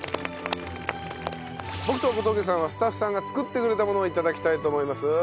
僕と小峠さんはスタッフさんが作ってくれたものを頂きたいと思います。